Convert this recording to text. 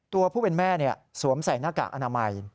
ตัวผู้เป็นแม่สวมใส่หน้ากากอนามัย